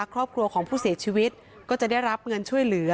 ครอบครัวของผู้เสียชีวิตก็จะได้รับเงินช่วยเหลือ